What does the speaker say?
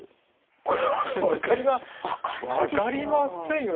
これ分かりま分かりませんよね。